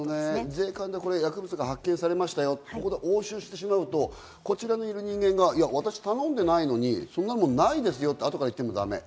税関で薬物が発見された、押収してしまうと、こちらにいる人間が、私、頼んでないのに、そんなものないですよって、後から言ってもだめ。